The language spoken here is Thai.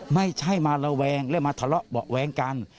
ไม่ใช่มาระแวงและมาทะเลาะเบาะแว้งกัน